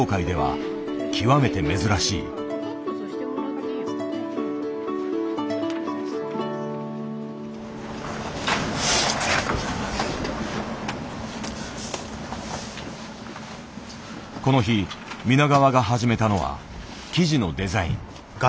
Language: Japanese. この日皆川が始めたのは生地のデザイン。